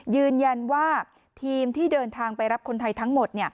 ยืนยันว่าทีมที่เดินทางไปรับคนไทยทั้งหมด